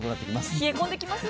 冷え込んできますね。